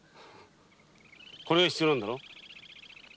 これが必要なんだろう？